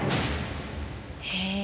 へえ。